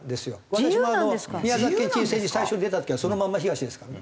私も宮崎県知事選に最初出た時は「そのまんま東」ですからね。